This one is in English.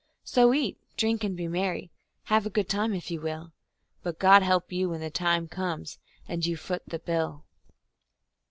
So eat, drink and be merry, have a good time if you will, But God help you when the time comes, and you Foot the bill.